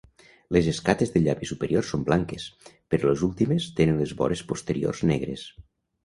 Les escates del llavi superior són blanques, però les últimes tenen les vores posteriors negres.